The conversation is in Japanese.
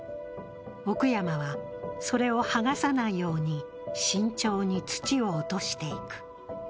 奥山はそれを剥がさないように慎重に土を落としていく。